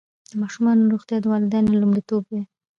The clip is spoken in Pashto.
د ماشومانو روغتیا د والدینو لومړیتوب دی.